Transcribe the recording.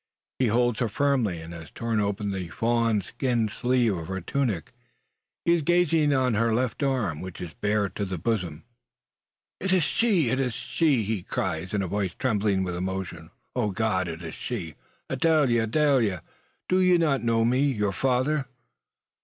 He holds her firmly, and has torn open the fawn skin sleeve of her tunic. He is gazing on her left arm, which is bared to the bosom! "It is she! it is she!" he cries, in a voice trembling with emotion. "Oh, God! it is she! Adele! Adele! do you not know me? Me your father?"